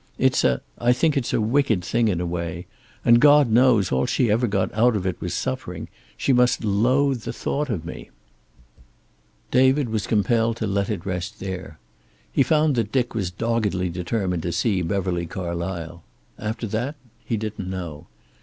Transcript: It's a I think it's a wicked thing, in a way. And God knows all she ever got out of it was suffering. She must loathe the thought of me." David was compelled to let it rest there. He found that Dick was doggedly determined to see Beverly Carlysle. After that, he didn't know.